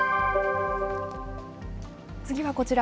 次はこちら。